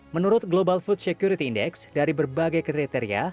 menurut global food security index dari berbagai kriteria